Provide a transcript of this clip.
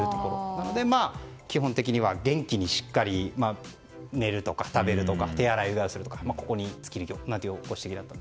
なので、基本的には元気にしっかり、寝るとか食べるとか手洗い・うがいをするとかここに尽きるというご指摘でした。